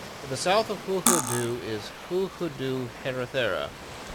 To the south of Hulhudhoo is Hulhudhoo Herathera.